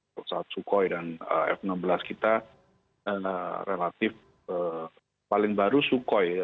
pesawat sukhoi dan f enam belas kita relatif paling baru sukhoi ya